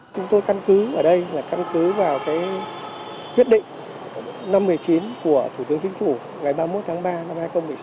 chúng tôi căn cứ ở đây là căn cứ vào quyết định năm trăm một mươi chín của thủ tướng chính phủ ngày ba mươi một tháng ba năm hai nghìn một mươi sáu